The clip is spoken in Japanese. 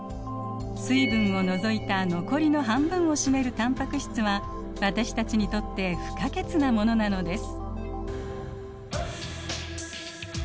水分を除いた残りの半分を占めるタンパク質は私たちにとって不可欠なものなのです。